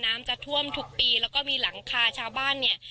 น้ำจะท่วมทุกปีแล้วก็มีหลังคาชาวบ้านเนี่ย